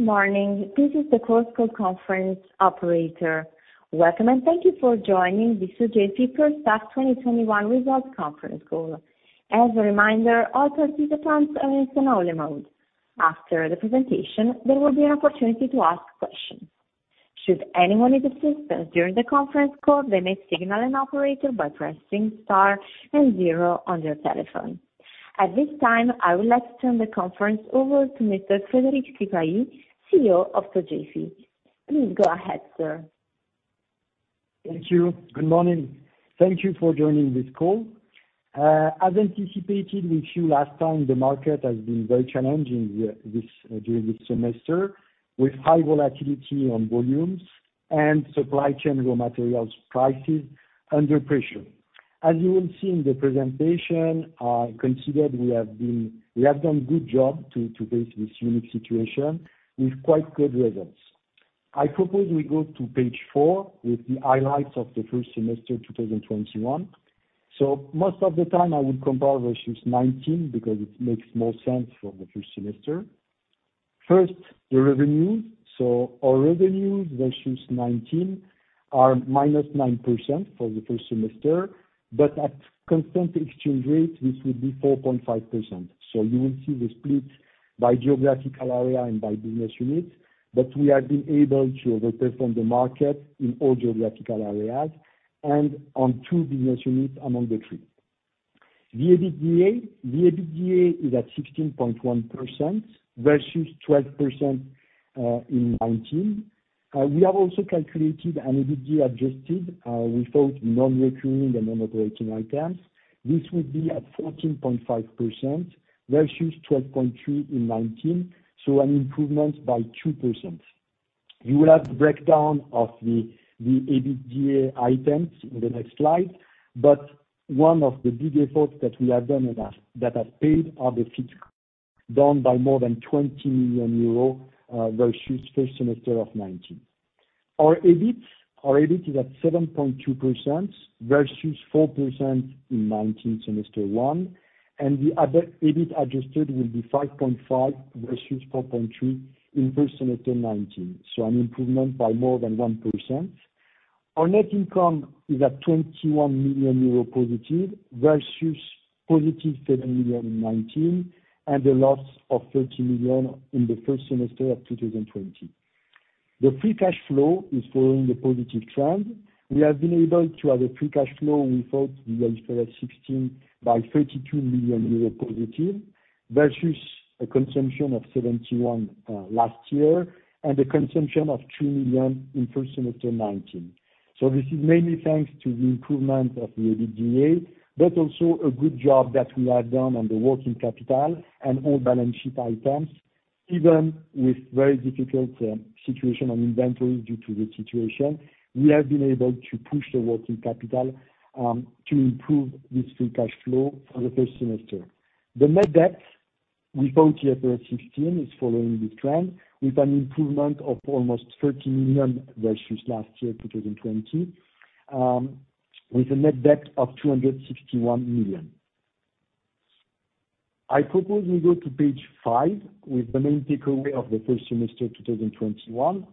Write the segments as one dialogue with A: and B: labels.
A: Good morning. This is the Chorus Call conference operator. Welcome and thank you for joining the Sogefi First Half 2021 Results Conference Call. As a reminder [all participants] are in listen-only mode. After the presentation, there will be the opportunity to ask question. Should anyone need assistance during the conference call, they may signal an operator by pressing star and zero on their telephone. At this time, I would like to turn the conference over to Mr. Frédéric Sipahi, CEO of Sogefi. Please go ahead, sir.
B: Thank you. Good morning. Thank you for joining this call. As anticipated with you last time, the market has been very challenging during this semester, with high volatility on volumes and supply chain raw materials prices under pressure. As you will see in the presentation, I considered we have done a good job to face this unique situation with quite good results. I propose we go to page four with the highlights of the first semester 2021. Most of the time, I will compare versus 2019 because it makes more sense for the first semester. First, the revenues. Our revenues versus 2019 are -9% for the first semester, but at constant exchange rate, this will be 4.5%. You will see the split by geographical area and by business unit. We have been able to over-perform the market in all geographical areas and on two business units among the three. The EBITDA is at 16.1% versus 12% in 2019. We have also calculated an EBITDA adjusted without non-recurring and non-operating items. This will be at 14.5% versus 12.3% in 2019. An improvement by 2%. You will have the breakdown of the EBITDA items in the next slide, but one of the big efforts that we have done that has paid are the features down by more than 20 million euros versus first semester of 2019. Our EBIT is at 7.2% versus 4% in 2019 semester one, and the EBIT adjusted will be 5.5% versus 4.3% in first semester 2019. An improvement by more than 1%. Our net income is at 21 million euro+, versus +7 million in 2019, and a loss of 30 million in the first semester of 2020. The free cash flow is following the positive trend. We have been able to have a free cash flow without the IFRS 16 by 32 million euro+, versus a consumption of 71 million last year and a consumption of 2 million in first semester 2019. This is mainly thanks to the improvement of the EBITDA, but also a good job that we have done on the working capital and all balance sheet items. Even with very difficult situation on inventory due to the situation, we have been able to push the working capital, to improve this free cash flow for the first semester. The net debt without the IFRS 16 is following this trend with an improvement of almost 30 million versus last year, 2020, with a net debt of €261 million. I propose we go to page five with the main takeaway of the first semester 2021.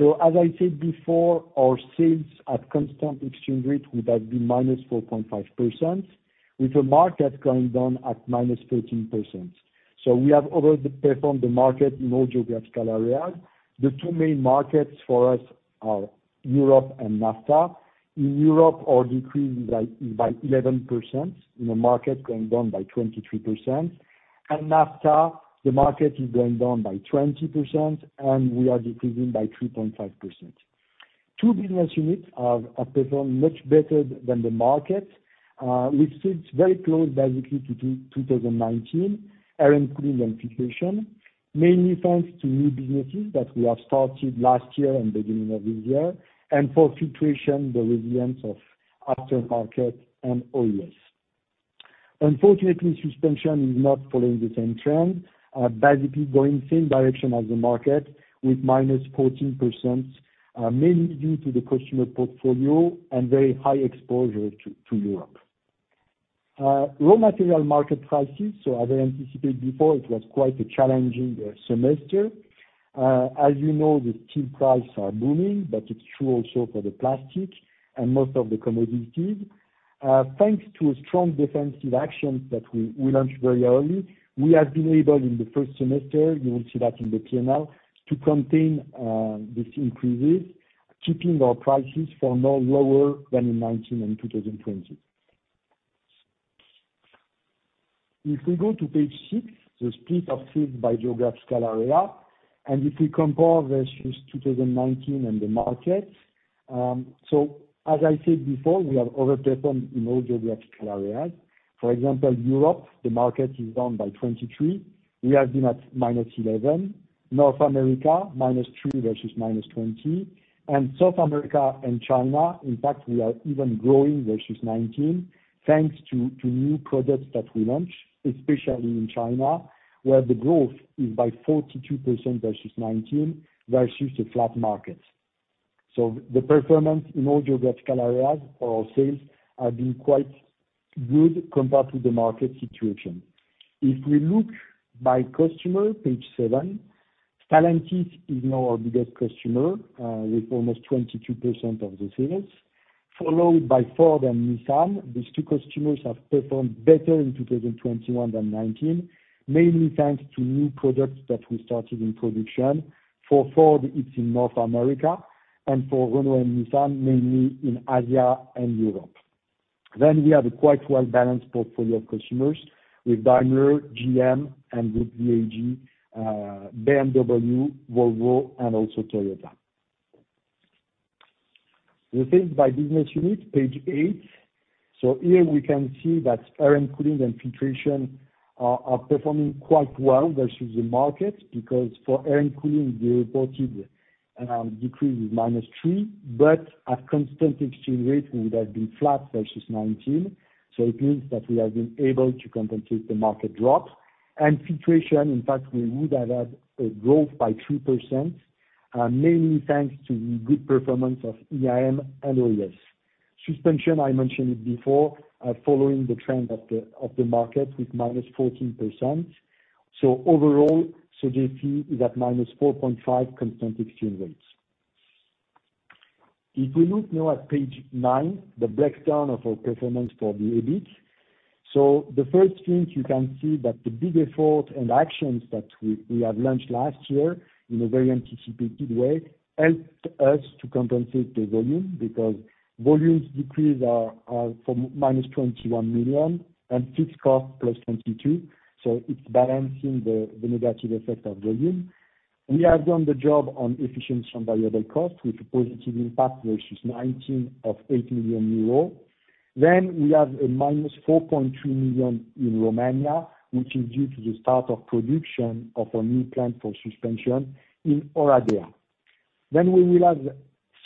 B: As I said before, our sales at constant exchange rate would have been -4.5%, with the market going down at -13%. We have over-performed the market in all geographical areas. The two main markets for us are Europe and NAFTA. In Europe, our decrease is by 11% in a market going down by 23%. NAFTA, the market is going down by 20%, and we are decreasing by 3.5%. Two business units have performed much better than the market, with sales very close basically to 2019, Air & Cooling and Filtration, mainly thanks to new businesses that we have started last year and beginning of this year and for Filtration, the resilience of aftermarket and U.S. Unfortunately, Suspension is not following the same trend, basically going same direction as the market with -14%, mainly due to the customer portfolio and very high exposure to Europe. Raw material market prices. As I anticipated before, it was quite a challenging semester. As you know, the steel prices are booming, it's true also for the plastic and most of the commodities. Thanks to a strong defensive action that we launched very early, we have been able in the first semester, you will see that in the P&L, to contain these increases, keeping our prices for now lower than in 2019 and 2020. If we go to page six, the split of sales by geographical area, if we compare versus 2019 and the market. As I said before, we have over-performed in all geographical areas. For example, Europe, the market is down by 23%. We have been at -11%. North America, -3% versus -20%. South America and China, in fact, we are even growing versus 2019, thanks to new products that we launched, especially in China, where the growth is by 42% versus 2019 versus a flat market. The performance in all geographical areas for our sales have been quite good compared to the market situation. If we look by customer, page seven, Stellantis is now our biggest customer, with almost 22% of the sales, followed by Ford and Nissan. These two customers have performed better in 2021 than 2019, mainly thanks to new products that we started in production. For Ford, it's in North America, for Renault and Nissan, mainly in Asia and Europe. We have a quite well-balanced portfolio of customers with Daimler, GM and Group VAG, BMW, Volvo, and also Toyota. The sales by business unit, page eight. Here we can see that Air & Cooling and Filtration are performing quite well versus the market, because for Air & Cooling, we reported a decrease with -3%, but at constant exchange rate, we would have been flat versus 2019. It means that we have been able to compensate the market drop. Filtration, in fact, we would have had a growth by 3%, mainly thanks to the good performance of IAM and OES. Suspension, I mentioned it before, following the trend of the market with -14%. Overall, Sogefi is at -4.5% constant exchange rates. Looking now at page nine, the breakdown of our performance for the EBIT. The first thing you can see that the big effort and actions that we have launched last year in a very anticipated way helped us to compensate the volume, because volumes decrease are from -21 million and fixed cost plus 22 million. It's balancing the negative effect of volume. We have done the job on efficiency on variable cost with a positive impact versus 2019 of 8 million euro. We have -4.3 million in Romania, which is due to the start of production of a new plant for Suspension in Oradea. We will have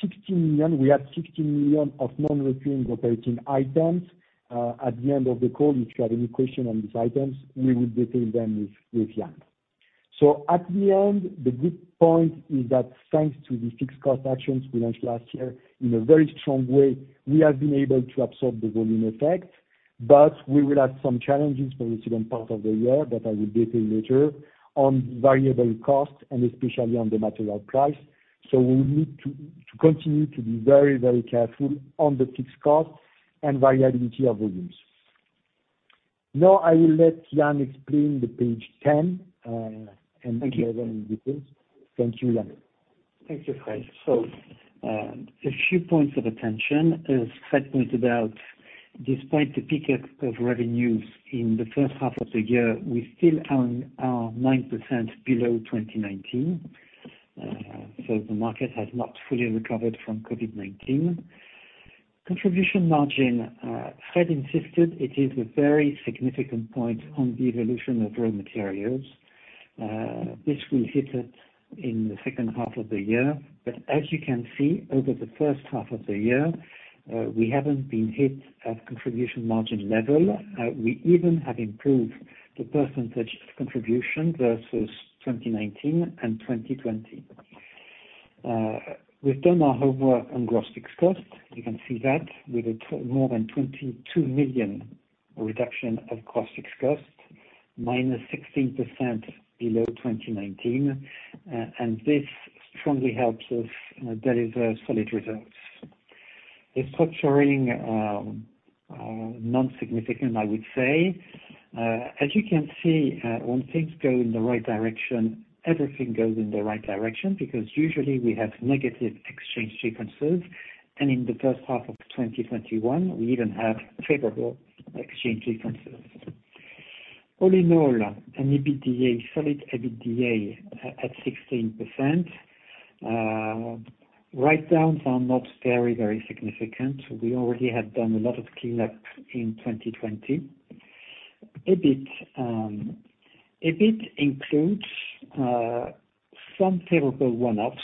B: 16 million. We had 16 million of non-recurring operating items. At the end of the call, if you have any question on these items, we will detail them with Yann. At the end, the good point is that thanks to the fixed cost actions we launched last year in a very strong way, we have been able to absorb the volume effect. We will have some challenges for the second part of the year that I will detail later on variable cost and especially on the material price. We will need to continue to be very careful on the fixed cost and variability of volumes. Now I will let Yann explain the page 10.
C: Thank you.
B: the other in details. Thank you, Yann.
C: Thank you, Fréd. A few points of attention. As Fréd pointed out, despite the pickup of revenues in the first half of the year, we still are 9% below 2019. The market has not fully recovered from COVID-19. Contribution margin, Fréd insisted it is a very significant point on the evolution of raw materials. This will hit it in the second half of the year, but as you can see, over the first half of the year, we haven't been hit at contribution margin level. We even have improved the percentage contribution versus 2019 and 2020. We've done our homework on gross fixed cost. You can see that with a more than 22 million reduction of cost fixed cost, minus 16% below 2019. This strongly helps us deliver solid results. Restructuring, non-significant, I would say. As you can see, when things go in the right direction, everything goes in the right direction, because usually we have negative exchange differences, and in the first half of 2021, we even have favorable exchange differences. All in all, an EBITDA, solid EBITDA at 16%. Write-downs are not very significant. We already have done a lot of clean up in 2020. EBIT includes some favorable one-offs.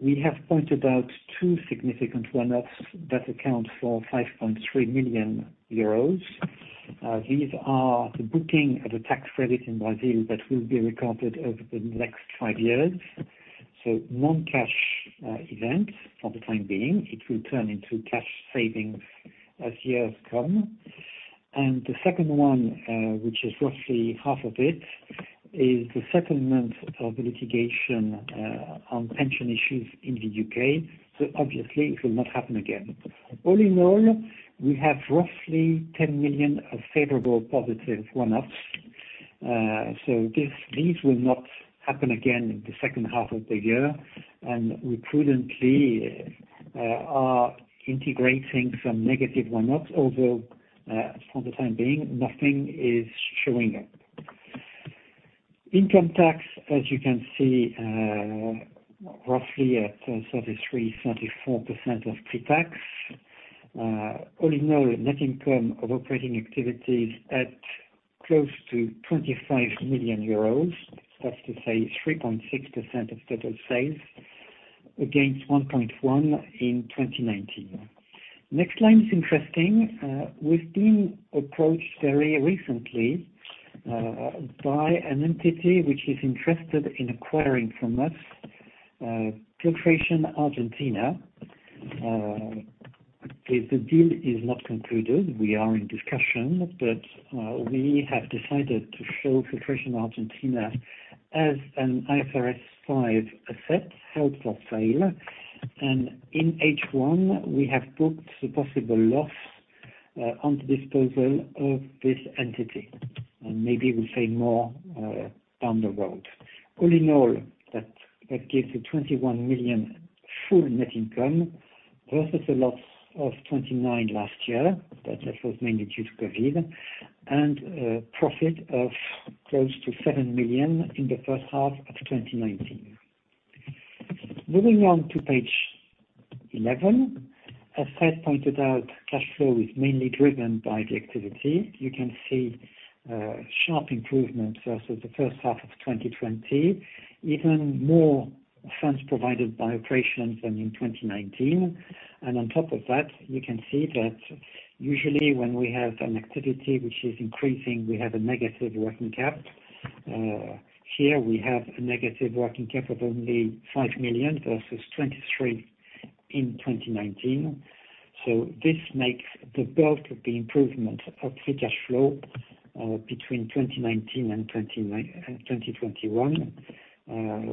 C: We have pointed out two significant one-offs that account for 5.3 million euros. These are the booking of the tax credit in Brazil that will be recorded over the next five years. Non-cash event for the time being. It will turn into cash savings as years come. The second one, which is roughly half of it, is the settlement of the litigation on pension issues in the U.K. Obviously it will not happen again. All in all, we have roughly 10 million of favorable positive one-offs. These will not happen again in the second half of the year. We prudently are integrating some negative one-offs, although, for the time being, nothing is showing up. Income tax, as you can see, roughly at 33%-34% of pre-tax. All in all, net income of operating activities at close to 25 million euros. That's to say 3.6% of total sales against 1.1% in 2019. Next line is interesting. We've been approached very recently by an entity which is interested in acquiring from us Filtration Argentina. The deal is not concluded. We are in discussion, but we have decided to show Filtration Argentina as an IFRS five asset, held for sale. In H1, we have booked a possible loss on the disposal of this entity, and maybe we'll say more down the road. All in all, that gives a 21 million full net income versus a loss of 29 last year, but that was mainly due to COVID, and a profit of close to 7 million in the first half of 2019. Moving on to page 11. As Fréd pointed out, cash flow is mainly driven by the activity. You can see a sharp improvement versus the first half of 2020, even more funds provided by operations than in 2019. On top of that, you can see that usually when we have an activity which is increasing, we have a negative working cap. Here we have a negative working cap of only 5 million versus 23 million in 2019. This makes the bulk of the improvement of free cash flow between 2019 and 2021.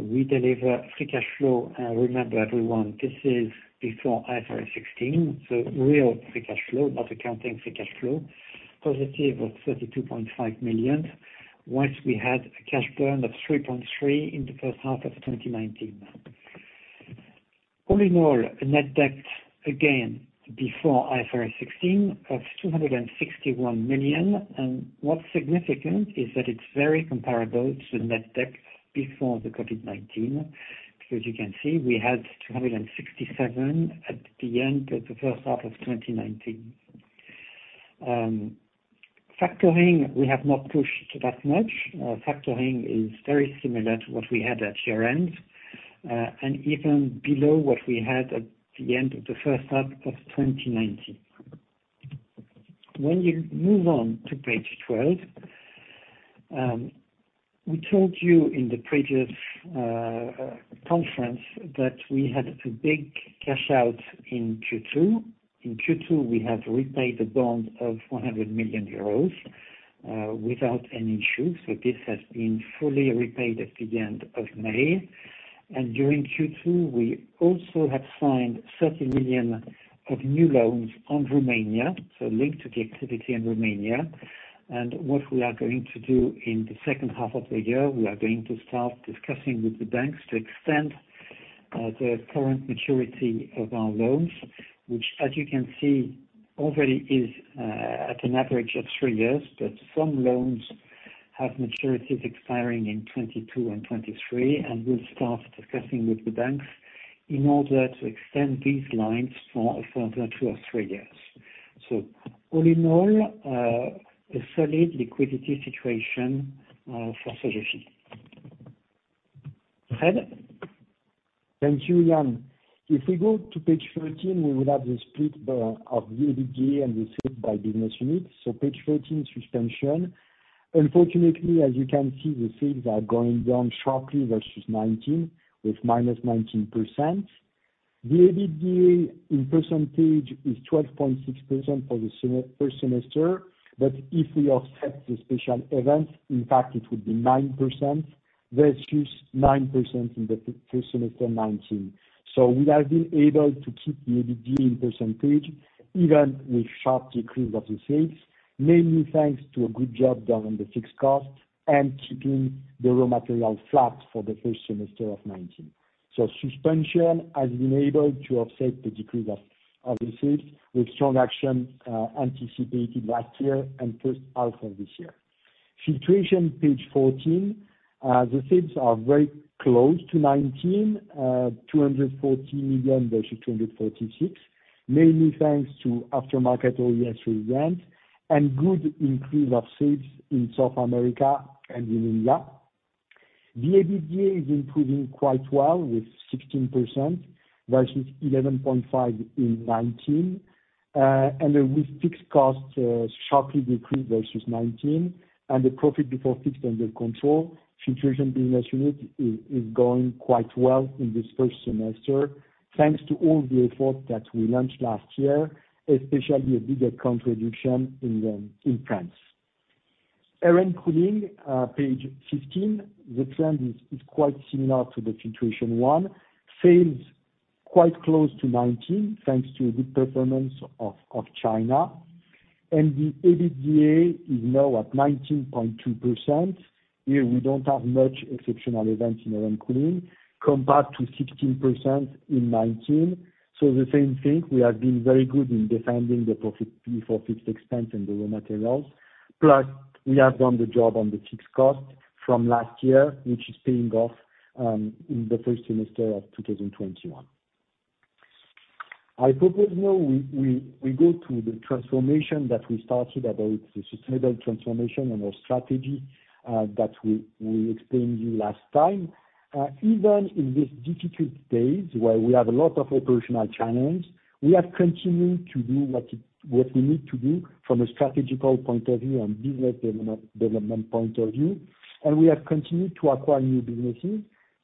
C: We deliver free cash flow. Remember, everyone, this is before IFRS 16, real free cash flow, not accounting free cash flow, positive of 32.5 million. Once we had a cash burn of 3.3 million in the first half of 2019. All in all, a net debt, again, before IFRS 16, of 261 million. What's significant is that it's very comparable to the net debt before the COVID-19. As you can see, we had 267 at the end of the first half of 2019. Factoring, we have not pushed that much. Factoring is very similar to what we had at year-end, even below what we had at the end of the first half of 2019. When you move on to page 12, we told you in the previous conference that we had a big cash out in Q2. In Q2, we have repaid a bond of 100 million euros without any issue. This has been fully repaid at the end of May. During Q2, we also have signed 30 million of new loans on Romania, so linked to the activity in Romania. What we are going to do in the second half of the year, we are going to start discussing with the banks to extend the current maturity of our loans, which, as you can see, already is at an average of three years, but some loans have maturities expiring in 2022 and 2023, and we'll start discussing with the banks in order to extend these lines for a further two or three years. All in all, a solid liquidity situation for Sogefi. Fréd?
B: Thank you, Yann. If we go to page 14, we will have the split of the EBITDA and the sales by business unit. Page 14, Suspension. Unfortunately, as you can see, the sales are going down sharply versus 2019 with -19%. The EBITDA in percentage is 12.6% for the first semester. If we offset the special events, in fact, it would be 9% versus 9% in the first semester 2019. We have been able to keep the EBITDA in percentage, even with sharp decrease of the sales, mainly thanks to a good job done on the fixed cost and keeping the raw material flat for the first semester of 2019. Suspension has been able to offset the decrease of the sales with strong action anticipated last year and first half of this year. Filtration, page 14. The sales are very close to 2019, 240 million versus 246 million, mainly thanks to aftermarket OEM sales and good increase of sales in South America and in India. The EBITDA is improving quite well with 16% versus 11.5% in 2019. With fixed costs sharply decreased versus 2019 and the profit before fixed under control, Filtration Business Unit is going quite well in this first semester, thanks to all the efforts that we launched last year, especially a bigger contribution in France. Air & Cooling, page 15. The trend is quite similar to the Filtration one. Sales quite close to 2019, thanks to a good performance of China. The EBITDA is now at 19.2%. Here, we don't have much exceptional events in Air & Cooling compared to 16% in 2019. The same thing, we have been very good in defending the profit before fixed expense and the raw materials. We have done the job on the fixed cost from last year, which is paying off in the first semester of 2021. I propose now we go to the transformation that we started about the sustainable transformation and our strategy that we explained to you last time. Even in these difficult days where we have a lot of operational challenge, we have continued to do what we need to do from a strategical point of view and business development point of view, and we have continued to acquire new businesses.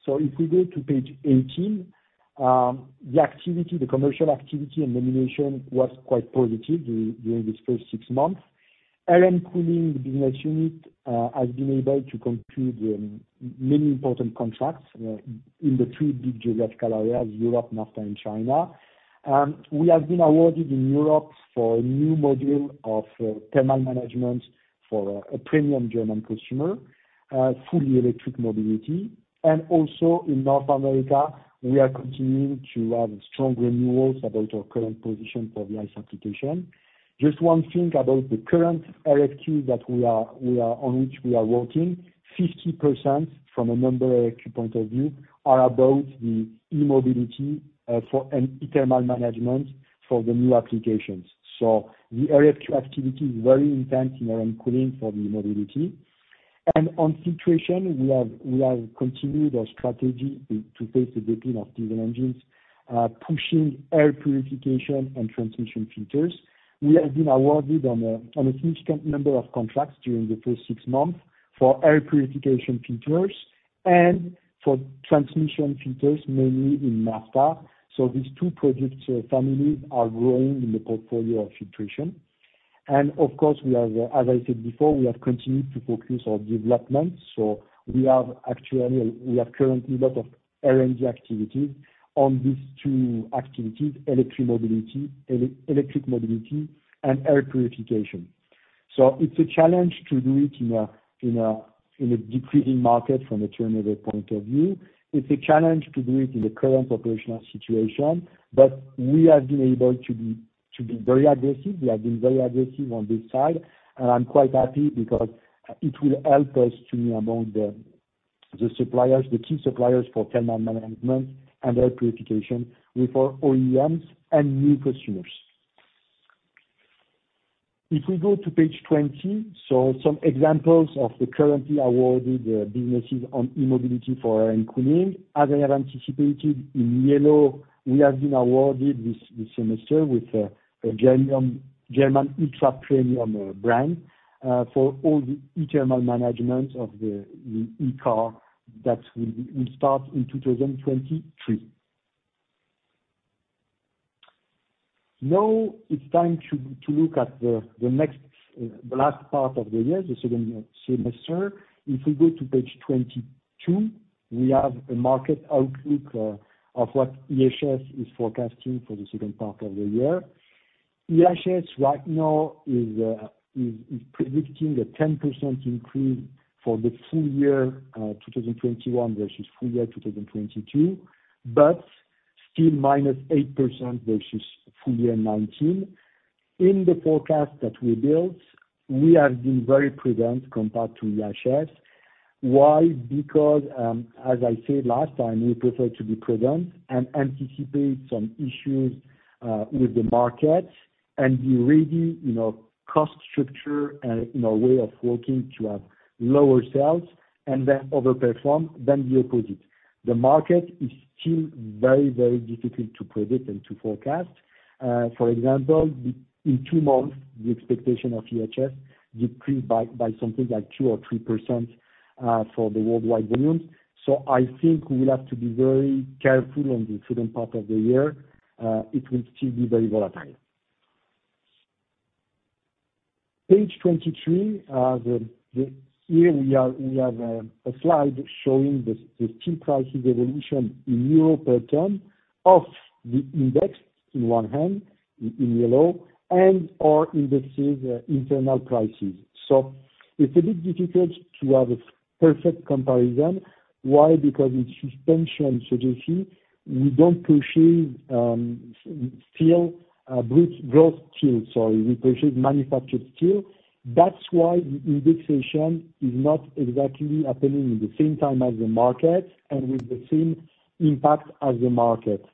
B: If we go to page 18, the commercial activity and the nomination was quite positive during these first six months. Air & Cooling Business Unit has been able to conclude many important contracts in the three big geographical areas, Europe, North America and China. We have been awarded in Europe for a new module of thermal management for a premium German customer, fully electric mobility. Also in North America, we are continuing to have strong renewals about our current position for the ICE application. Just one thing about the current RFQ that on which we are working, 50% from a number RFQ point of view are about the e-mobility, and e-thermal management for the new applications. The RFQ activity is very intense in Air & Cooling for the mobility. On filtration, we have continued our strategy to [inaudible] engines, pushing air purification and transmission filters. We have been awarded on a significant number of contracts during the first six months for air purification filters and for transmission filters, mainly in North America. These two product families are growing in the portfolio of Filtration. Of course, as I said before, we have continued to focus on development. We have currently a lot of R&D activities on these two activities, electric mobility, and air purification. It's a challenge to do it in a decreasing market from a turnover point of view. It's a challenge to do it in the current operational situation, but we have been able to be very aggressive. We have been very aggressive on this side, and I'm quite happy because it will help us to be among the suppliers, the key suppliers for thermal management and air purification with our OEMs and new customers. If we go to page 20, some examples of the currently awarded businesses on e-mobility for Air & Cooling. As I have anticipated, in yellow, we have been awarded this semester with a German ultra-premium brand, for all the e-thermal management of the e-car that will start in 2023. Now it's time to look at the last part of the year, the second semester. If we go to page 22, we have a market outlook of what IHS Markit is forecasting for the second part of the year. IHS Markit right now is predicting a 10% increase for the full year 2021 versus full year 2022, but still -8% versus full year 2019. In the forecast that we built, we have been very prudent compared to IHS. Why? As I said last time, we prefer to be prudent and anticipate some issues with the market and be ready in our cost structure and in our way of working to have lower sales and then over-perform than the opposite. The market is still very difficult to predict and to forecast. For example, in two months, the expectation of IHS decreased by something like 2% or 3% for the worldwide volumes. I think we will have to be very careful on the second part of the year. It will still be very volatile. Page 23. Here we have a slide showing the steel prices evolution in euro per ton of the index in one hand, in yellow, and our indices internal prices. It's a bit difficult to have a perfect comparison. Why? Because in Suspension, Sogefi, we don't purchase gross steel, sorry. We purchase manufactured steel. That's why the indexation is not exactly happening in the same time as the market and with the same impact as the market.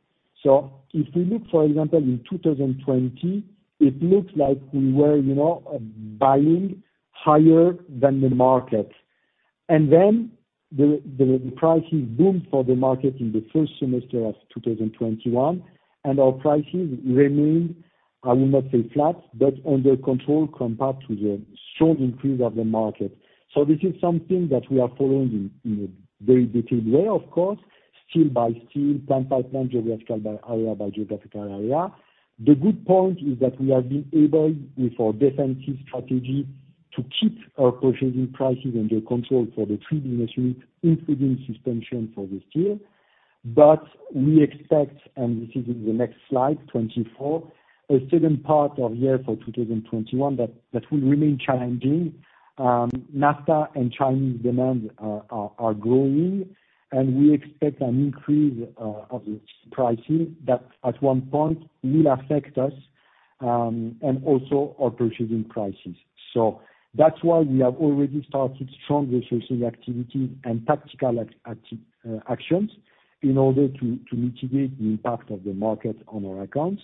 B: If we look, for example, in 2020, it looks like we were buying higher than the market. The prices boomed for the market in the first semester of 2021, and our prices remained, I will not say flat, but under control compared to the strong increase of the market. This is something that we are following in a very detailed way, of course, steel by steel, plant by plant, geographical area by geographical area. The good point is that we have been able, with our defensive strategy, to keep our purchasing prices under control for the three business units, including Suspension for the steel. We expect, and this is in the next slide 24, a second part of year for 2021 that will remain challenging. North America and Chinese demands are growing, and we expect an increase of pricing that at one point will affect us and also our purchasing prices. That's why we have already started strong resourcing activity and tactical actions in order to mitigate the impact of the market on our accounts.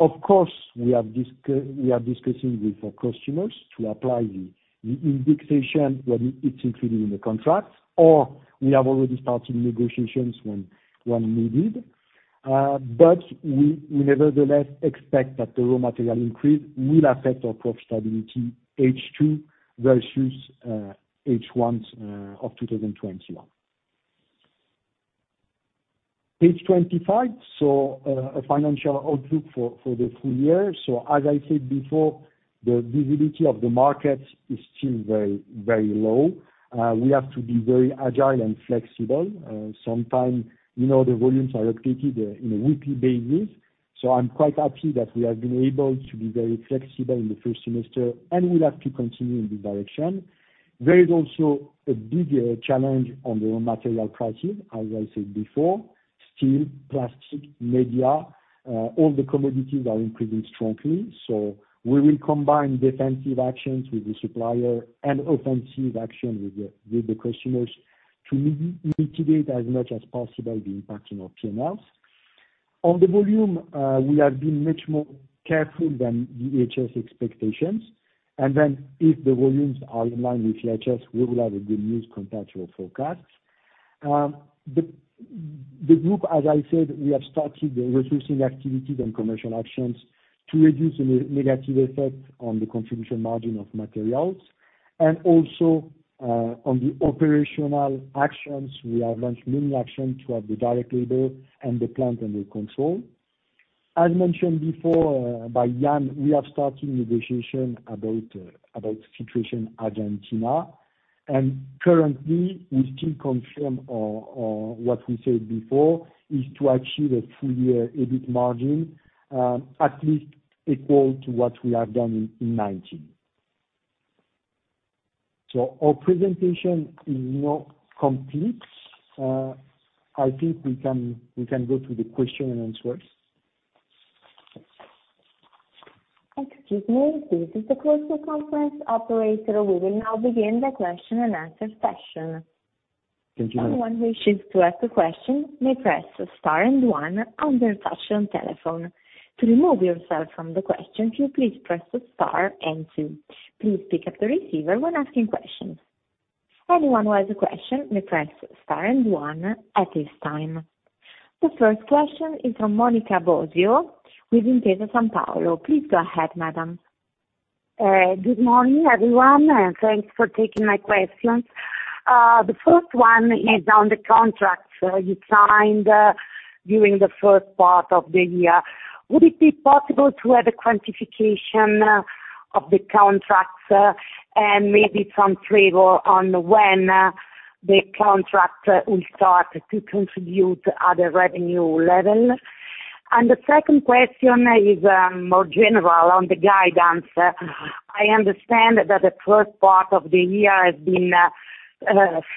B: Of course, we are discussing with our customers to apply the indexation when it's included in the contracts, or we have already started negotiations when needed. We nevertheless expect that the raw material increase will affect our profitability H2 versus H1 of 2021. Page 25. A financial outlook for the full year. As I said before, the visibility of the market is still very low. We have to be very agile and flexible. Sometimes the volumes are. [inaudible] I'm quite happy that we have been able to be very flexible in the first semester, and we'll have to continue in this direction. There is also a big challenge on the raw material prices, as I said before, steel, plastic, media, all the commodities are increasing strongly. We will combine defensive actions with the supplier and offensive action with the customers to mitigate as much as possible the impact on our P&Ls. On the volume, we have been much more careful than the IHS expectations, and then if the volumes are in line with IHS, we will have a good news compared to our forecasts. The group, as I said, we have started the resourcing activities and commercial actions to reduce the negative effect on the contribution margin of materials. Also, on the operational actions, we have launched many actions to have the direct labor and the plant under control. As mentioned before by Yann, we have started negotiation about Filtration Argentina, and currently we still confirm what we said before, is to achieve a full year EBIT margin, at least equal to what we have done in 2019. Our presentation is now complete. I think we can go to the question and answers.
A: Excuse me, this is the closer conference operator. We will now begin the question and answer session.
B: Thank you, ma'am.
A: Anyone who wishes to ask a question may press the star and one on their touch-tone telephone. To remove yourself from the question queue, please press star and two. Please pick up the receiver when asking questions. Anyone who has a question may press star and one at this time. The first question is from Monica Bosio with Intesa Sanpaolo. Please go ahead, madam.
D: Good morning, everyone, thanks for taking my questions. The first one is on the contracts you signed during the first part of the year. Would it be possible to have a quantification of the contracts and maybe some flavor on when the contract will start to contribute at the revenue level? The second question is more general on the guidance. I understand that the first part of the year has been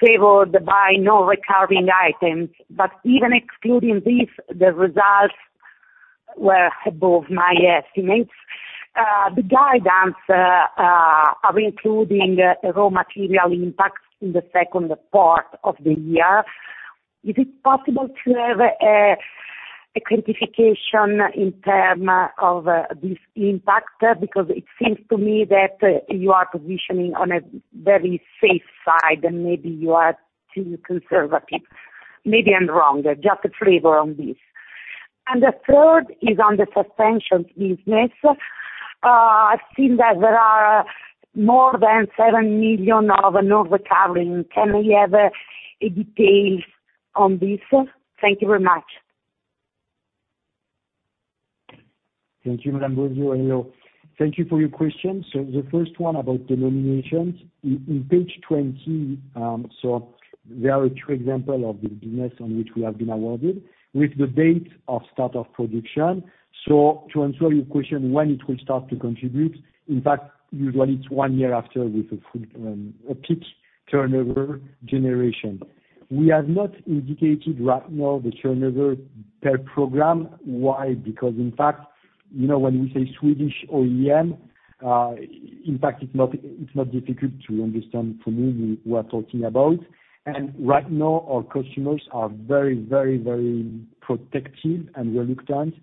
D: favored by non-recurring items, but even excluding these, the results were above my estimates. The guidance is including raw material impacts in the second part of the year. Is it possible to have a quantification in terms of this impact? It seems to me that you are positioning on a very safe side, and maybe you are too conservative. Maybe I'm wrong. Just a flavor on this. The third is on the Suspension business. I've seen that there are more than 7 million of a non-recurring. Can I have a details on this? Thank you very much.
B: Thank you, Monica Bosio. Hello. Thank you for your question. The first one about the nominations. In page 20, there are two example of the business on which we have been awarded with the date of start of production. To answer your question, when it will start to contribute, in fact, usually it's one year after with a peak turnover generation. We have not indicated right now the turnover per program. Why? Because, in fact, when we say Swedish OEM, in fact it's not difficult to understand for me we are talking about. Right now our customers are very protective and reluctant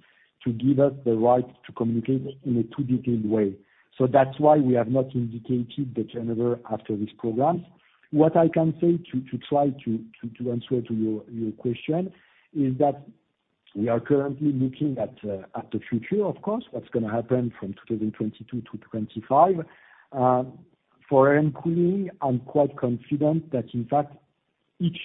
B: to give us the right to communicate in a too detailed way. That's why we have not indicated the turnover after these programs. What I can say to try to answer to your question is that we are currently looking at the future, of course, what's going to happen from 2022-2025. For Air & Cooling, I'm quite confident that, in fact, each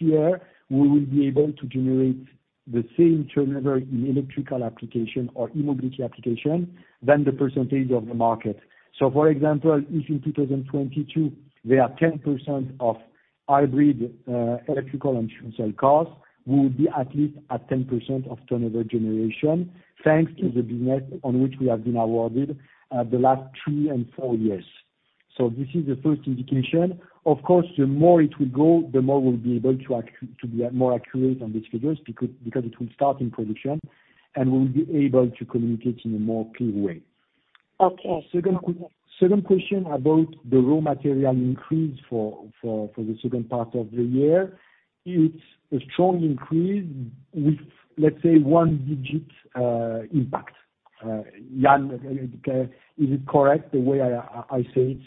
B: year we will be able to generate the same turnover in electrical application or e-mobility application than the percentage of the market. For example, if in 2022, there are 10% of hybrid electrical and fuel cell cars, we will be at least at 10% of turnover generation, thanks to the business on which we have been awarded the last three and four years. This is the first indication. Of course, the more it will go, the more we'll be able to be more accurate on these figures, because it will start in production, and we will be able to communicate in a clearer way.
D: Okay.
B: Second question about the raw material increase for the second part of the year. It's a strong increase with, let's say, one-digit impact. Yann, is it correct, the way I say it?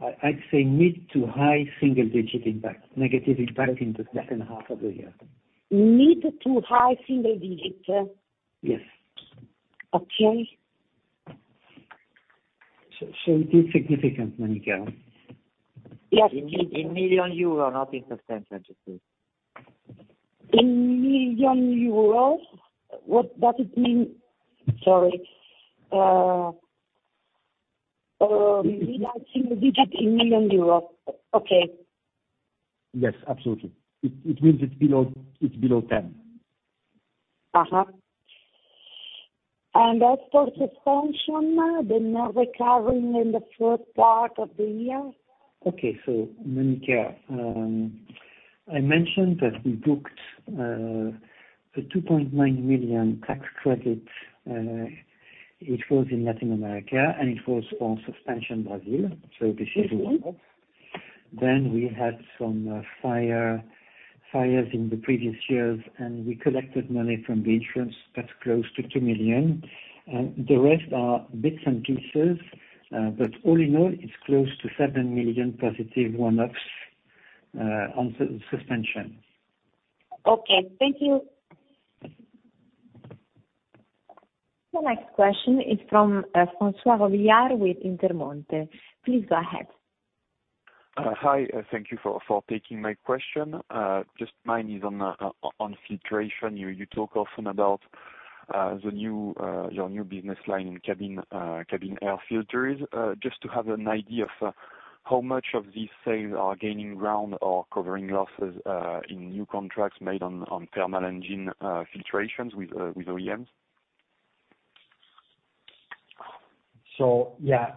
C: I'd say mid to high single-digit impact, negative impact in the second half of the year.
D: Mid to high single digits?
C: Yes.
D: Okay.
C: It is significant, Monica.
D: Yes.
C: In million EUR, not in percentage.
D: In million euros? What does it mean? Sorry. Mid to high single digit in EUR million. Okay.
B: Yes, absolutely. It means it's below 10.
D: As for Suspension, the net recovery in the first part of the year?
C: Okay. Monica, I mentioned that we booked a 2.9 million tax credit. It was in Latin America, and it was on Suspension Brazil. This is one-off. We had some fires in the previous years, and we collected money from the insurance that's close to 2 million. The rest are bits and pieces. All in all, it's close to 7 million positive one-offs on Suspension.
D: Okay. Thank you.
A: The next question is from François Robillard with Intermonte. Please go ahead.
E: Hi. Thank you for taking my question. Just mine is on Filtration. You talk often about your new business line in cabin air filters. Just to have an idea of how much of these sales are gaining ground or covering losses, in new contracts made on thermal engine filtrations with OEMs?
B: Yeah.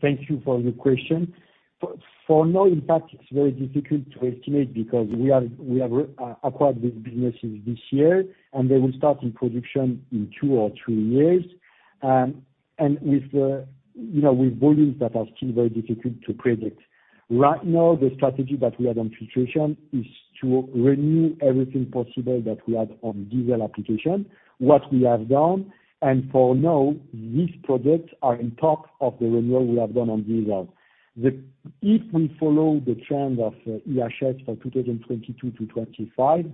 B: Thank you for your question. For now, in fact, it's very difficult to estimate because we have acquired these businesses this year, and they will start in production in two or three years. With volumes that are still very difficult to predict. Right now, the strategy that we have on Filtration is to renew everything possible that we have on diesel application. What we have done, for now, these projects are on top of the renewal we have done on diesel. If we follow the trend of IHS for 2022-2025,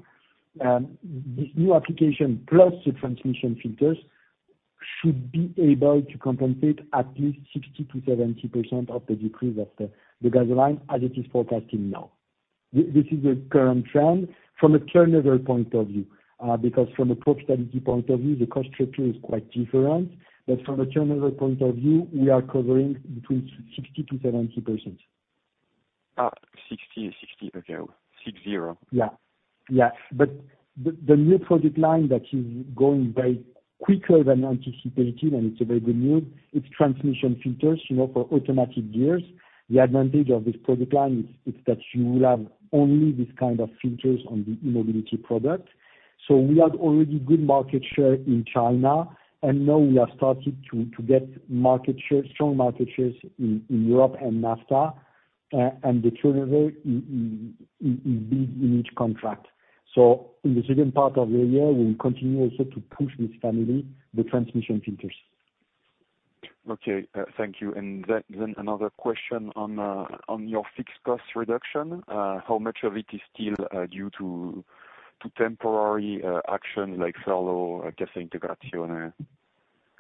B: this new application plus the transmission filters should be able to compensate at least 60%-70% of the decrease of the gasoline as it is forecasting now. This is the current trend from a turnover point of view, because from a profitability point of view, the cost structure is quite different. From a turnover point of view, we are covering between 60%-70%.
E: 60. Okay. six, zero.
B: Yeah. The new product line that is going very quicker than anticipated, and it's a very good news. It's transmission filters for automatic gears. The advantage of this product line it's that you will have only these kind of filters on the e-mobility product. We had already good market share in China, and now we have started to get strong market shares in Europe and NAFTA, and the turnover is big in each contract. In the second part of the year, we will continue also to push this family, the transmission filters.
E: Okay, thank you. Another question on your fixed cost reduction. How much of it is still due to temporary action like CIGO or Cassa Integrazione?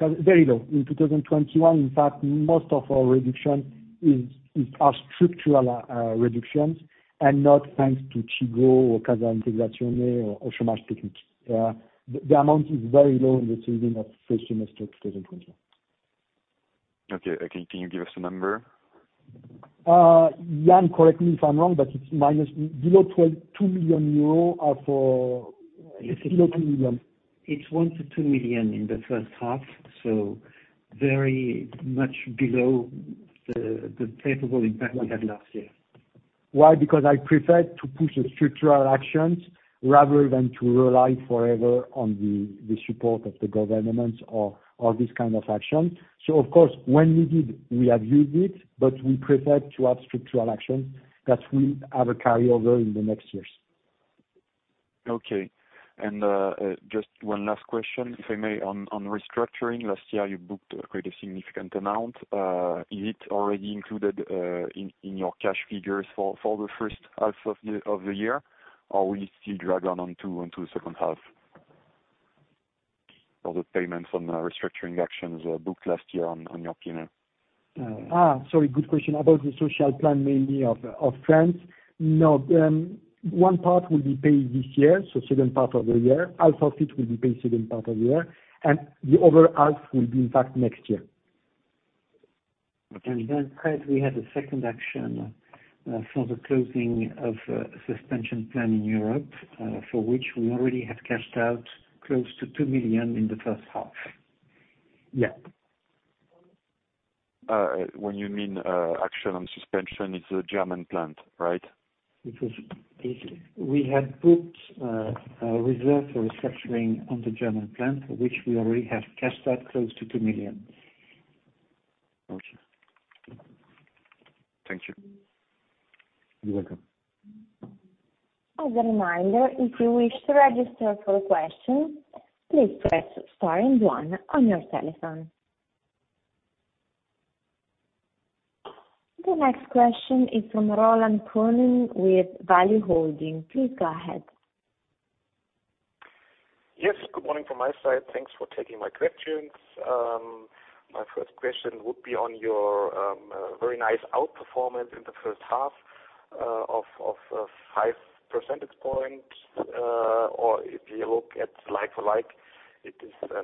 B: Very low. In 2021, in fact, most of our reductions are structural reductions and not thanks to CIGO or Cassa Integrazione or Chômage Technique. The amount is very low in the second or first semester 2021.
E: Okay. Can you give us a number?
B: Yann, correct me if I'm wrong, but it's below EUR 2 million.
C: It's 1 million-2 million in the first half, so very much below the favorable impact we had last year.
B: Why? Because I prefer to push structural actions rather than to rely forever on the support of the governments or this kind of action. Of course, when needed, we have used it, but we prefer to have structural action that will have a carryover in the next years.
E: Okay. Just one last question, if I may, on restructuring. Last year, you booked quite a significant amount. Is it already included in your cash figures for the first half of the year? Will it still drag on into the second half? All the payments on the restructuring actions booked last year on your P&L.
B: Sorry. Good question. About the social plan mainly of France. No. One part will be paid this year, so second part of the year. Half of it will be paid second part of the year. The other half will be in fact next year.
C: Okay. Fréd, we had a second action For the closing of a Suspension plant in Europe, for which we already have cashed out close to 2 million in the first half.
B: Yeah.
E: When you mean action on Suspension, it's a German plant, right?
C: We had put a reserve for restructuring on the German plant, for which we already have cashed out close to 2 million.
E: Okay. Thank you.
B: You're welcome.
A: As a reminder, if you wish to register for questions, please press star and one on your telephone. The next question is from Roland Könen with Value-Holdings. Please go ahead.
F: Yes, good morning from my side. Thanks for taking my questions. My first question would be on your very nice outperformance in the first half of 5 percentage points. If you look at like for like, it is 9%.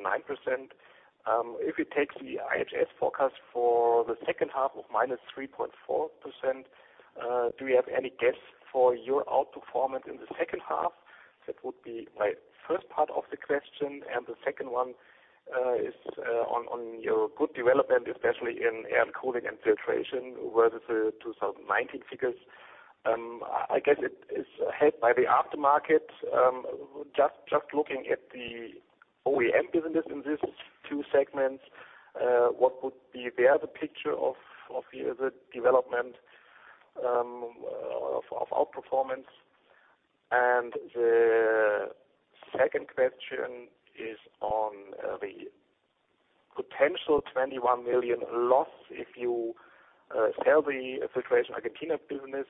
F: If you take the IHS forecast for the second half of -3.4%, do you have any guess for your outperformance in the second half? That would be my first part of the question. The second one is on your good development, especially in Air & Cooling and Filtration versus 2019 figures. I guess it is helped by the aftermarket. Just looking at the OEM business in these two segments, what would be the other picture of the development of outperformance? The second question is on the potential 21 million loss if you sell the Filtration Argentina business,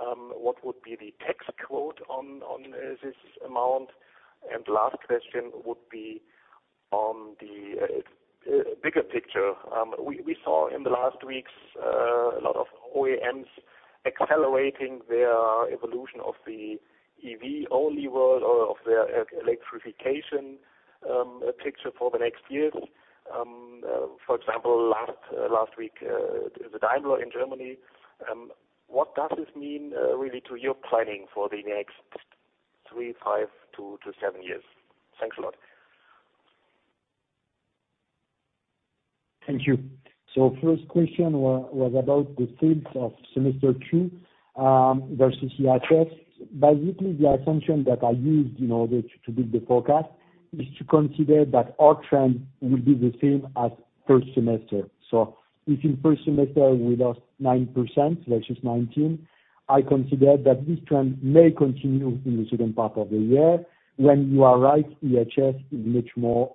F: what would be the tax quote on this amount? Last question would be on the bigger picture. We saw in the last weeks, a lot of OEMs accelerating their evolution of the EV-only world or of their electrification picture for the next years. For example, last week, the Daimler in Germany. What does this mean really to your planning for the next three, five to seven years? Thanks a lot.
B: Thank you. first question was about the sales of semester two versus IHS. Basically, the assumption that I used in order to build the forecast is to consider that our trend will be the same as first semester. If in first semester we lost 9% versus 2019, I consider that this trend may continue in the second part of the year. When you are right, IHS is much more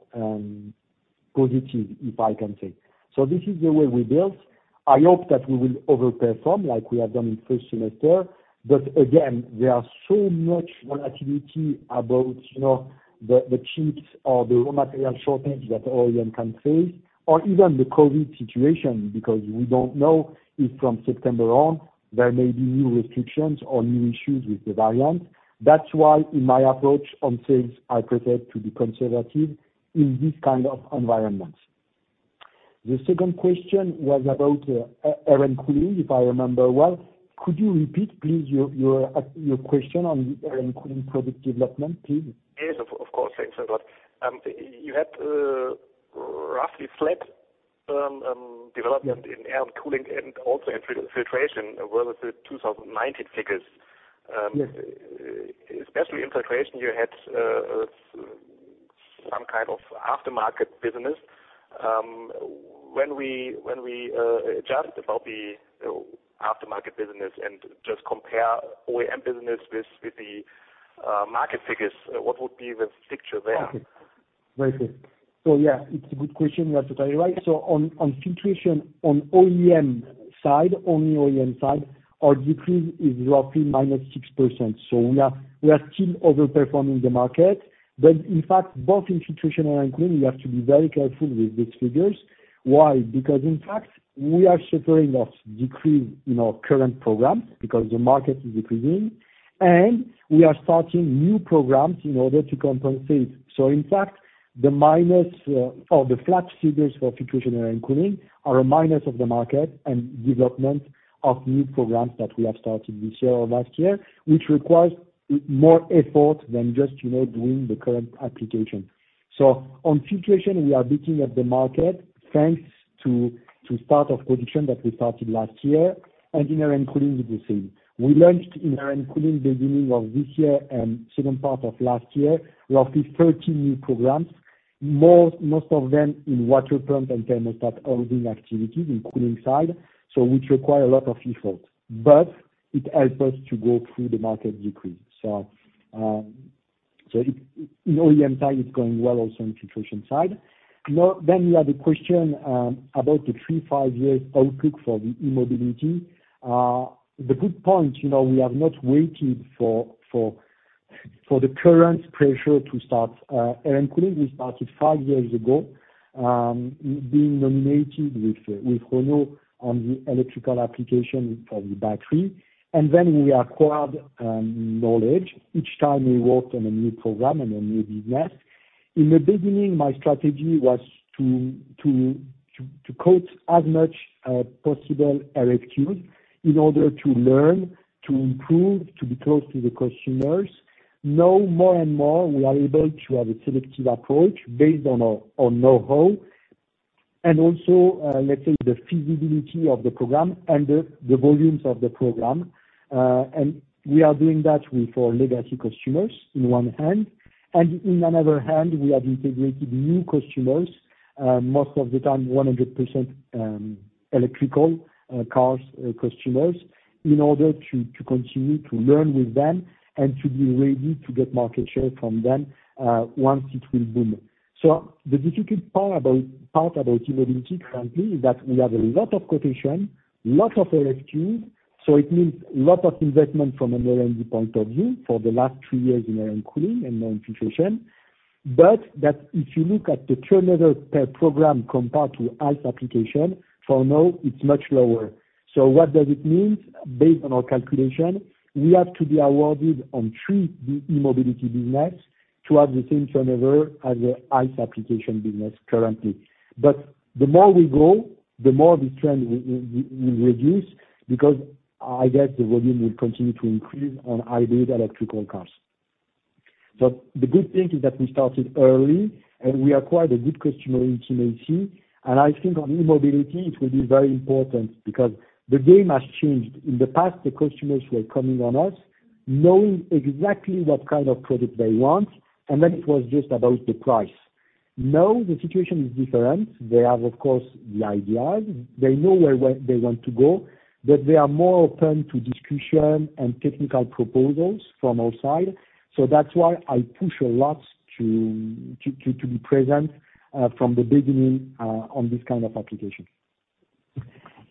B: positive, if I can say. This is the way we built. I hope that we will over-perform like we have done in first semester. Again, there are so much volatility about the chips or the raw material shortage that OEM can face or even the COVID situation, because we don't know if from September on, there may be new restrictions or new issues with the variant. That's why in my approach on sales, I prefer to be conservative in this kind of environment. The second question was about Air & Cooling, if I remember well. Could you repeat, please, your question on Air & Cooling product development, please?
F: Yes, of course. Thanks a lot. You had roughly flat development in Air & Cooling and also in Filtration versus 2019 figures.
B: Yes.
F: Especially in Filtration, you had some kind of aftermarket business. When we adjust about the aftermarket business and just compare OEM business with the market figures, what would be the picture there?
B: Okay. Very good. Yeah, it's a good question. You are totally right. On Filtration on OEM side, only OEM side, our decrease is roughly -6%. We are still overperforming in the market. In fact, both in Filtration and Air & Cooling, we have to be very careful with these figures. Why? Because in fact, we are suffering a decrease in our current programs because the market is decreasing, and we are starting new programs in order to compensate. In fact, the minus or the flat figures for Filtration and Air & Cooling are a minus of the market and development of new programs that we have started this year or last year, which requires more effort than just doing the current application. On Filtration, we are beating up the market, thanks to start of production that we started last year. In Air & Cooling, it is same. We launched in Air & Cooling beginning of this year and second part of last year, roughly 30 new programs, most of them in water pump and thermostat housing activities in cooling side. Which require a lot of effort. It helps us to go through the market decrease. In OEM side, it's going well also in Filtration side. You have the question about the three, five years outlook for the e-mobility. The good point, we have not waited for the current pressure to start Air & Cooling. We started five years ago, being nominated with Renault on the electrical application for the battery, and then we acquired knowledge each time we worked on a new program and a new business. In the beginning, my strategy was to quote as much possible RFQs in order to learn, to improve, to be close to the customers. More and more, we are able to have a selective approach based on our know-how, and also, let's say, the feasibility of the program and the volumes of the program. We are doing that with our legacy customers in one hand, and in another hand, we have integrated new customers, most of the time 100% electrical cars customers in order to continue to learn with them and to be ready to get market share from them once it will boom. The difficult part about e-mobility currently is that we have a lot of quotation, lots of RFQs, so it means lot of investment from an R&D point of view for the last three years in R&D and in Filtration. That if you look at the turnover per program compared to ICE application, for now it's much lower. What does it mean? Based on our calculation, we have to be awarded on three e-mobility business to have the same turnover as the ICE application business currently. The more we grow, the more this trend will reduce because I guess the volume will continue to increase on hybrid electric cars. The good thing is that we started early, and we acquired a good customer intimacy. I think on e-mobility, it will be very important because the game has changed. In the past, the customers were coming on us knowing exactly what kind of product they want, and then it was just about the price. Now, the situation is different. They have, of course, the ideas. They know where they want to go, but they are more open to discussion and technical proposals from our side. That's why I push a lot to be present from the beginning on this kind of application.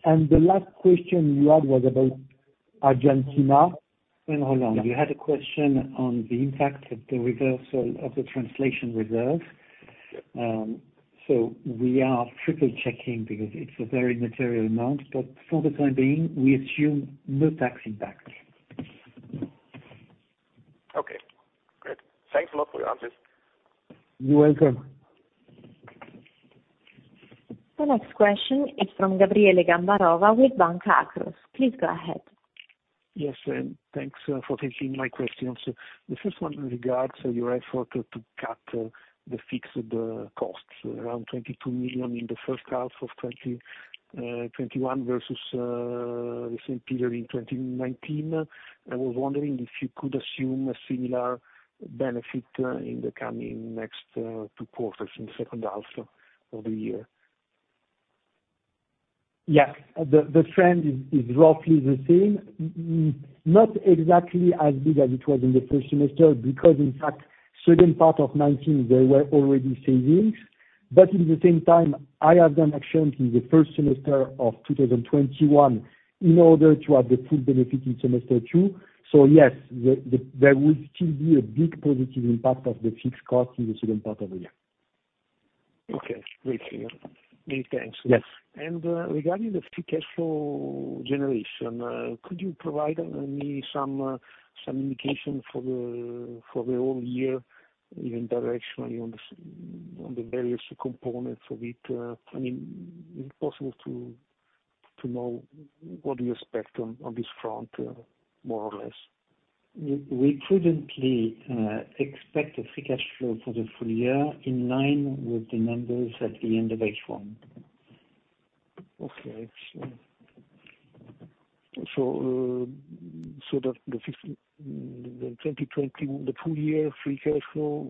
B: The last question you had was about Argentina.
C: Hold on. You had a question on the impact of the reversal of the translation reserve. We are triple-checking because it's a very material amount, but for the time being, we assume no tax impact.
F: Okay, great. Thanks a lot for the answers.
B: You're welcome.
A: The next question is from Gabriele Gambarova with Banca Akros. Please go ahead.
G: Yes, thanks for taking my questions. The first one regards your effort to cut the fixed costs, around 22 million in the first half of 2021 versus the same period in 2019. I was wondering if you could assume a similar benefit in the coming next two quarters, in the second half of the year?
B: Yeah. The trend is roughly the same, not exactly as big as it was in the first semester because, in fact, second part of 2019, there were already savings. At the same time, I have done action in the first semester of 2021 in order to have the full benefit in semester two. Yes, there will still be a big positive impact of the fixed cost in the second part of the year.
G: Okay, great. Many thanks.
B: Yes.
G: Regarding the free cash flow generation, could you provide me some indication for the whole year, even directionally on the various components of it? I mean, is it possible to know what do you expect on this front, more or less?
C: We currently expect a free cash flow for the full year in line with the numbers at the end of H1.
G: Okay. The full year free cash flow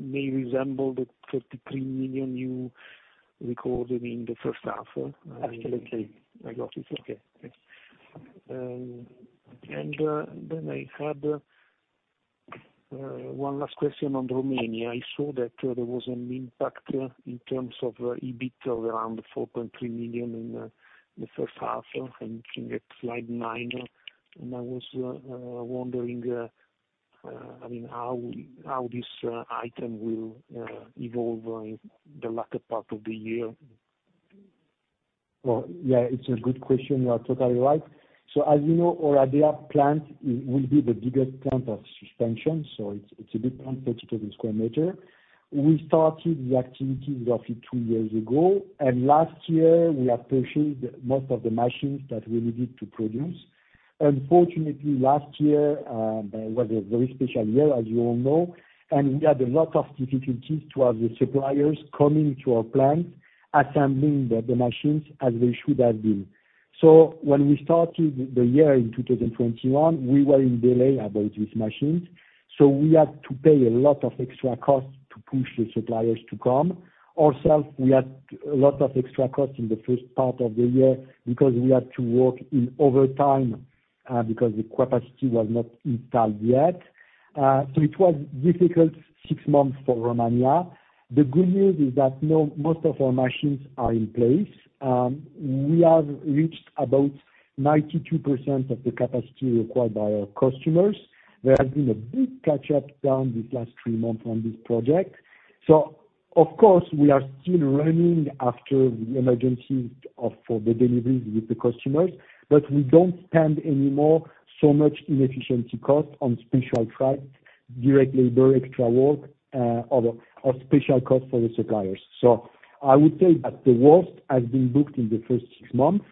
G: may resemble the 33 million you recorded in the first half.
B: Absolutely.
G: I got it. Okay, thanks. I had one last question on Romania. I saw that there was an impact in terms of EBIT of around 4.3 million in the first half. I'm looking at slide nine. I was wondering how this item will evolve in the latter part of the year?
B: Well, yeah. It's a good question. You are totally right. As you know, Oradea plant will be the biggest plant of Suspension. It's a big plant, 30,000 sq m. We started the activity roughly two years ago, and last year we had purchased most of the machines that we needed to produce. Unfortunately, last year was a very special year, as you all know, and we had a lot of difficulties to have the suppliers coming to our plant, assembling the machines as they should have been. When we started the year in 2021, we were in delay about these machines. We had to pay a lot of extra costs to push the suppliers to come. Ourself, we had a lot of extra costs in the first part of the year because we had to work in overtime, because the capacity was not installed yet. It was difficult six months for Romania. The good news is that now, most of our machines are in place. We have reached about 92% of the capacity required by our customers. There has been a big catch-up done these last three months on this project. Of course, we are still running after the emergencies for the deliveries with the customers, but we don't spend any more so much inefficiency cost on special trucks, direct labor, extra work, or special cost for the suppliers. I would say that the worst has been booked in the first six months.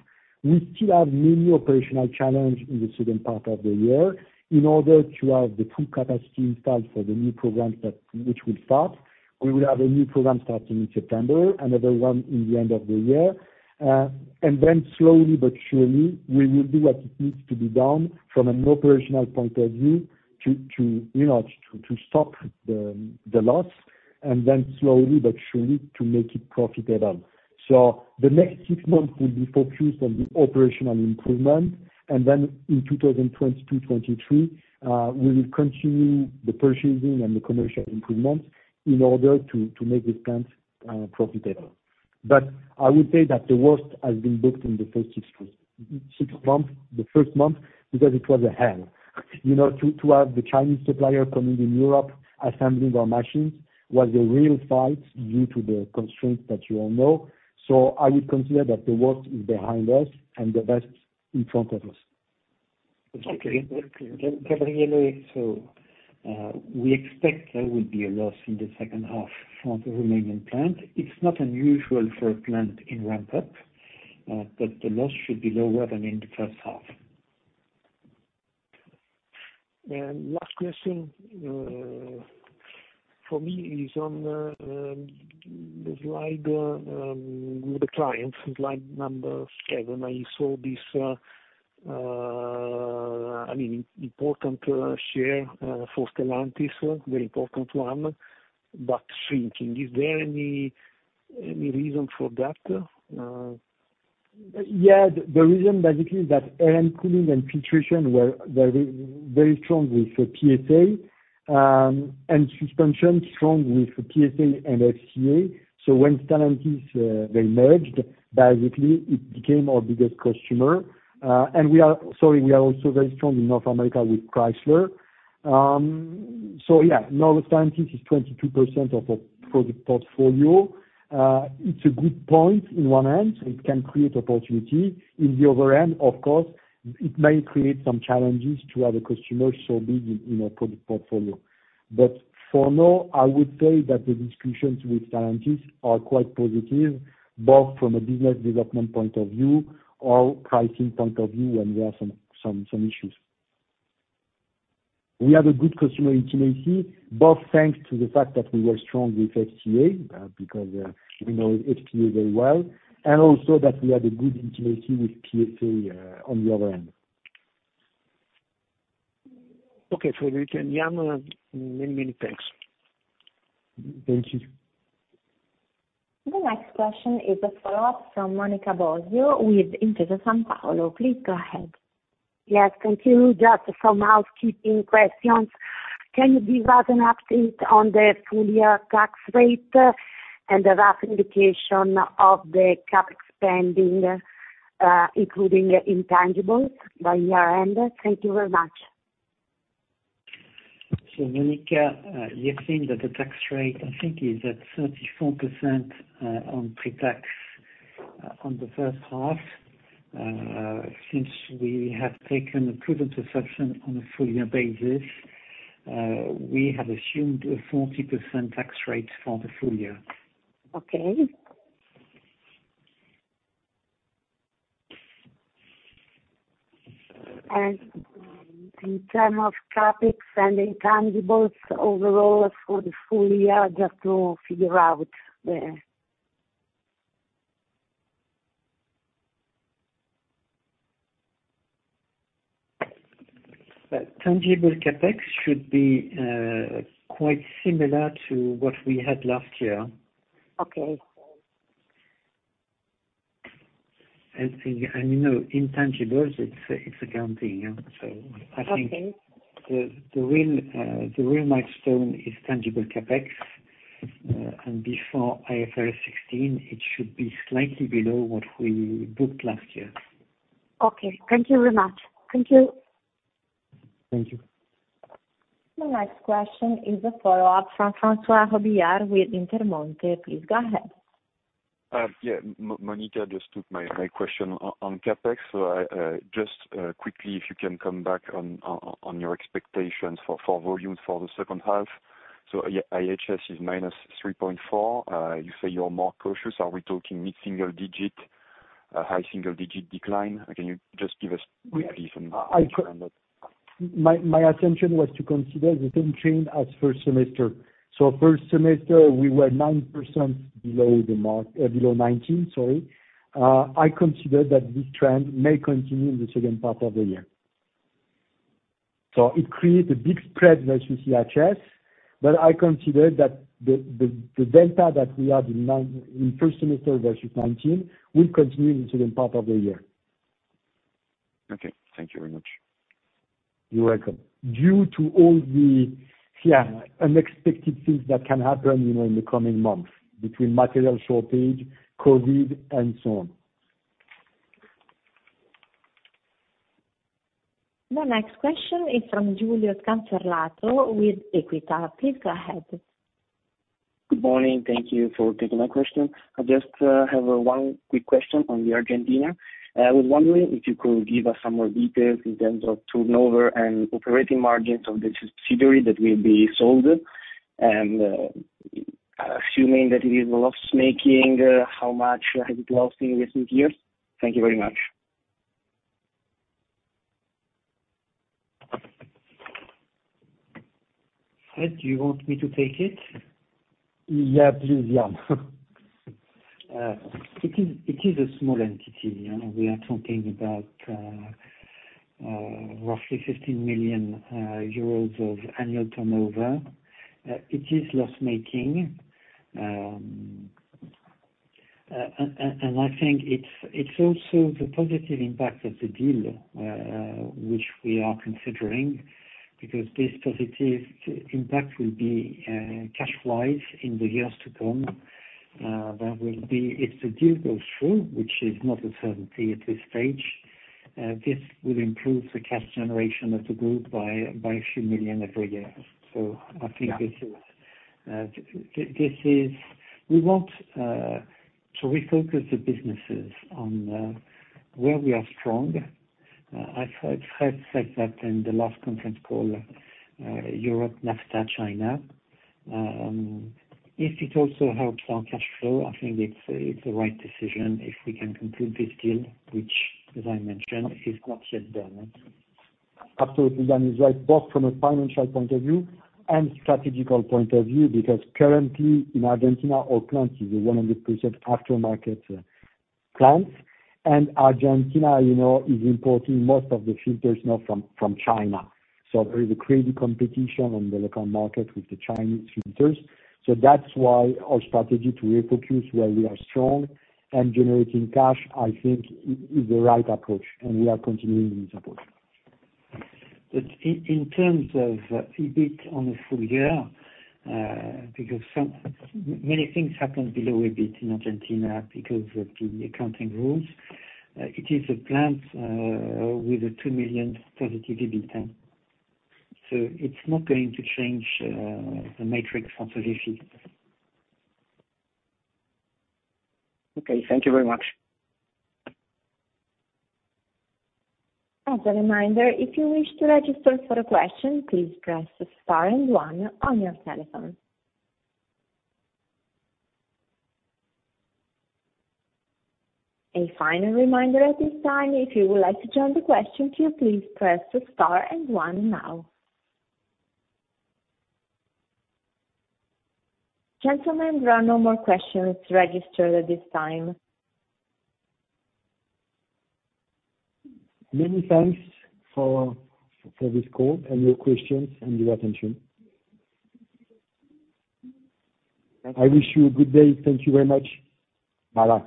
B: We still have many operational challenge in the second part of the year in order to have the full capacity installed for the new programs which will start. We will have a new program starting in September, another one in the end of the year. Slowly but surely, we will do what it needs to be done from an operational point of view to stop the loss, and then slowly but surely to make it profitable. The next six months will be focused on the operational improvement, and then in 2022-2023, we will continue the purchasing and the commercial improvements in order to make this plant profitable. I would say that the worst has been booked in the first six months, the first month, because it was hell. To have the Chinese supplier coming in Europe assembling our machines was a real fight due to the constraints that you all know. I would consider that the worst is behind us and the best in front of us.
C: Okay. Gabriele, we expect there will be a loss in the second half for the Romanian plant. It's not unusual for a plant in ramp-up, but the loss should be lower than in the first half.
G: Last question, for me is on the slide with the clients, slide number seven. I saw this important share for Stellantis, very important one, but shrinking. Is there any reason for that?
B: The reason basically is that Air & Cooling and Filtration were very strong with PSA, Suspension strong with PSA and FCA. When Stellantis they merged, basically it became our biggest customer. Sorry, we are also very strong in North America with Chrysler. Now Stellantis is 22% of our product portfolio. It's a good point in one end, it can create opportunity. In the other end, of course, it may create some challenges to have a customer so big in our product portfolio. For now, I would say that the discussions with Stellantis are quite positive, both from a business development point of view or pricing point of view when there are some issues. We have a good customer intimacy, both thanks to the fact that we were strong with FCA, because we know FCA very well, and also that we had a good intimacy with PSA on the other end.
G: Okay. Frédéric and Yann, many thanks.
B: Thank you.
A: The next question is a follow-up from Monica Bosio with Intesa Sanpaolo. Please go ahead.
D: Yes. Continue just some housekeeping questions. Can you give us an update on the full-year tax rate and a rough indication of the CapEx spending, including intangibles by year-end? Thank you very much.
C: Monica, you have seen that the tax rate, I think, is at 34% on pre-tax on the first half. Since we have taken a prudent reception on a full-year basis, we have assumed a 40% tax rate for the full year.
D: Okay. In terms of CapEx and intangibles overall for the full year, just to figure out the.
C: Tangible CapEx should be quite similar to what we had last year.
D: Okay.
C: You know, intangibles, it's accounting.
D: Okay
C: The real milestone is tangible CapEx. Before IFRS 16, it should be slightly below what we booked last year.
D: Okay. Thank you very much. Thank you.
C: Thank you.
A: The next question is a follow-up from François Robillard with Intermonte. Please go ahead.
E: Yeah. Monica just took my question on CapEx. Just quickly, if you can come back on your expectations for volumes for the second half. IHS is -3.4%. You say you're more cautious. Are we talking mid-single digit, high single digit decline? Can you just give us a view on that?
B: My assumption was to consider the same trend as first semester. First semester, we were 9% below 2019. I consider that this trend may continue in the second part of the year. It creates a big spread versus IHS, but I consider that the delta that we had in first semester versus 2019 will continue in the second part of the year.
E: Okay. Thank you very much.
B: You're welcome. Due to all the, yeah, unexpected things that can happen in the coming months between material shortage, COVID, and so on.
A: The next question is from Giulio Scanferlato with EQUITA. Please go ahead.
H: Good morning. Thank you for taking my question. I just have one quick question on Argentina. I was wondering if you could give us some more details in terms of turnover and operating margins of the subsidiary that will be sold, and assuming that it is loss-making, how much has it lost in recent years? Thank you very much.
C: Fréd, do you want me to take it?
B: Yeah, please, Yann.
C: It is a small entity. We are talking about roughly 15 million euros of annual turnover. It is loss-making. I think it's also the positive impact of the deal, which we are considering, because this positive impact will be cash-wise in the years to come. That will be if the deal goes through, which is not a certainty at this stage. This will improve the cash generation of the group by a few million every year. I think We want to refocus the businesses on where we are strong. Fréd said that in the last conference call, Europe, NAFTA, China. If it also helps our cash flow, I think it's the right decision if we can conclude this deal, which, as I mentioned, is not yet done.
B: Absolutely, Yann is right, both from a financial point of view and strategic point of view, because currently in Argentina, our plant is a 100% aftermarket plant, and Argentina is importing most of the filters now from China. There is a crazy competition on the local market with the Chinese filters. That's why our strategy to refocus where we are strong and generating cash, I think is the right approach, and we are continuing with support.
C: In terms of EBIT on the full year, because many things happen below EBIT in Argentina, because of the accounting rules. It is a plant with a 2 million positive EBITDA. It's not going to change the metrics for Sogefi.
H: Okay. Thank you very much.
A: As a reminder, if you wish to register for a question, please press star and one on your telephone. A final reminder at this time, if you would like to join the question queue, please press star and one now. Gentlemen, there are no more questions registered at this time.
B: Many thanks for this call and your questions and your attention. I wish you a good day. Thank you very much. Bye.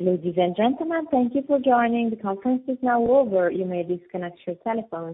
A: Ladies and gentlemen, thank you for joining. The conference is now over. You may disconnect your telephones.